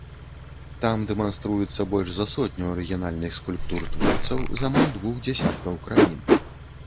Там дэманструецца больш за сотню арыгінальных скульптур творцаў з амаль двух дзясяткаў краін.